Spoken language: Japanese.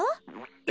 え！